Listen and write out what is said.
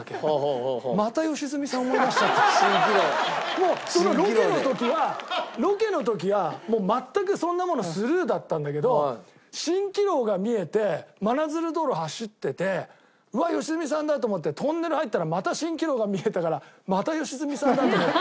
もうそのロケの時はロケの時は全くそんなものスルーだったんだけど蜃気楼が見えて真鶴道路走っててうわっ良純さんだと思ってトンネル入ったらまた蜃気楼が見えたからまた良純さんだと思って。